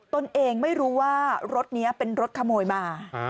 ตนเองไม่รู้ว่ารถนี้เป็นรถขโมยมา